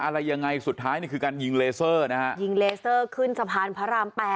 อะไรยังไงสุดท้ายนี่คือการยิงเลเซอร์นะฮะยิงเลเซอร์ขึ้นสะพานพระราม๘